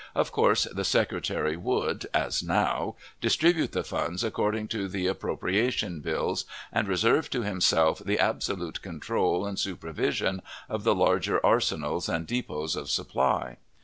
Of course, the Secretary would, as now, distribute the funds according to the appropriation bills, and reserve to himself the absolute control and supervision of the larger arsenals and depots of supply.